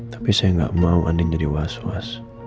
tapi saya gak mau andin jadi was was